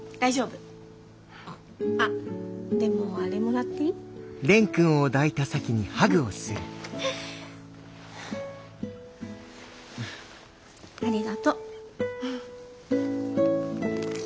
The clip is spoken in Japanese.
あっでもあれもらっていい？ありがと。